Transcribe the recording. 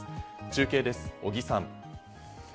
中継です、尾木さん。